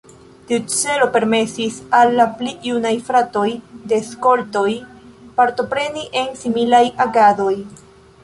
Tiu celo permesis al la pli junaj fratoj de skoltoj partopreni en similaj agadoj.